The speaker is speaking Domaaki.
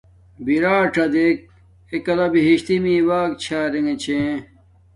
بِرݳںڅݳ دݵک، اݺ کلݳ بِہِشتݵئ مݵݸݳ چھݳ رݵݣݺ چھݺ.